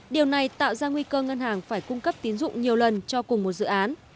điều này tạo ra nguy cơ ngân hàng phải cung cấp tín dụng nhiều lần cho cùng một dự án